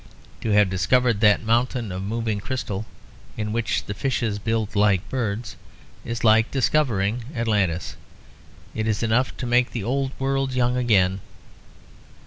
To have discovered that mountain of moving crystal, in which the fishes build like birds, is like discovering Atlantis: it is enough to make the old world young again.